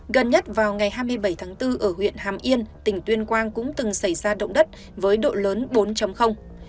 gần nhất vào ngày hai mươi bảy tháng bốn ở huyện hàm yên tỉnh tuyên quang cũng từng xảy ra động đất với độ lớn bốn